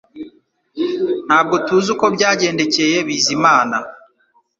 Ntabwo tuzi uko byagendekeye Bizimana